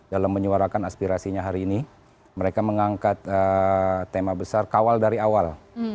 dalam menyuarakan aspirasinya hari ini mereka mengangkat tema besar kawal dari awal